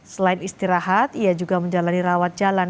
selain istirahat ia juga menjalani rawat jalan